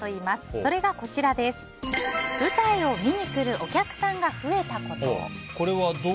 それが舞台を見に来るお客さんが増えたこと。